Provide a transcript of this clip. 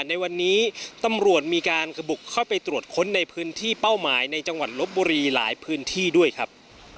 ในวันนี้ตำรวจมีการบุกเข้าไปตรวจค้นในพื้นที่เป้าหมายในจังหวัดลบบุรีหลายพื้นที่ด้วยครับ